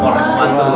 selamat ulang tahun